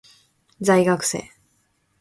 在学生